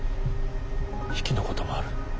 比企のこともある。